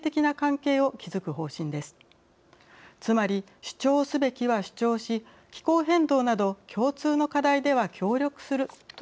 つまり主張すべきは主張し気候変動など共通の課題では協力するというものです。